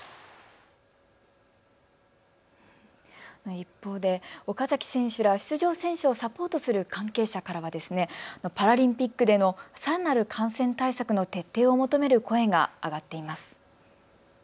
一方で岡崎選手ら出場選手をサポートする関係者からはパラリンピックでのさらなる感染対策の徹底を求める声が上がっています。